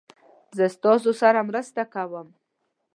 زه تاسو سره مرسته کوم